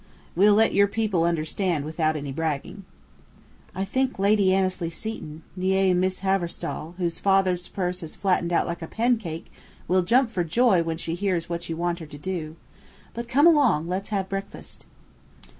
We'll let your people understand without any bragging. "I think Lady Annesley Seton, née Miss Haverstall, whose father's purse has flattened out like a pancake, will jump for joy when she hears what you want her to do. But come along, let's have breakfast!"